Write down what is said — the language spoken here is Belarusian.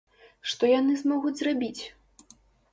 Што яны змогуць зрабіць?!